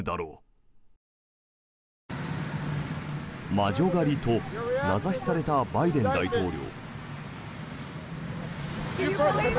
魔女狩りと名指しされたバイデン大統領。